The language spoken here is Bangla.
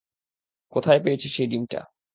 কোথায় পেয়েছিস এই ডিমটা?